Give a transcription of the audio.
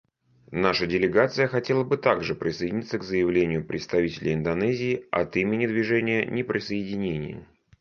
Наша делегация хотела бы также присоединиться к заявлению представителя Индонезии от имени Движения неприсоединения.